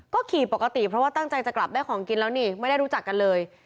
ก็ขี่ปกติเพราะว่าตั้งใจจะกลับได้ของกินแล้วนี่ไม่ได้รู้จักกันเลย